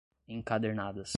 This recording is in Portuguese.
encadernadas